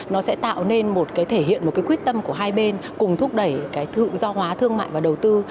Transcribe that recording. nó sẽ tạo nên một cái thể hiện một cái quyết tâm của hai bên cùng thúc đẩy cái tự do hóa thương mại và đầu tư